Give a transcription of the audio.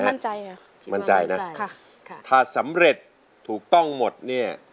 คิดว่ามั่นใจมั่นใจนะค่ะค่ะถ้าสำเร็จถูกต้องหมดเนี้ย